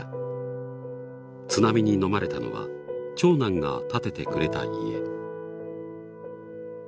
津波にのまれたのは長男が建ててくれた家。